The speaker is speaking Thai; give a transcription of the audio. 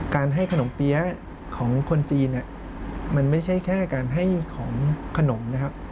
ให้ขนมเปี๊ยะของคนจีนมันไม่ใช่แค่การให้ของขนมนะครับ